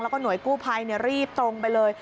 แล้วก็หน่วยกู้ภัยรีบตรงไปเลย